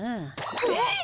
えっ！